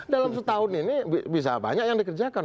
dalam setahun ini bisa banyak yang dikerjakan